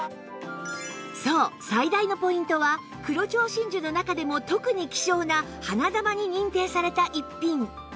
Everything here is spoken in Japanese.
そう最大のポイントは黒蝶真珠の中でも特に希少な花珠に認定された逸品